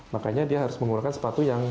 makanya dia harus menggunakan sepatu yang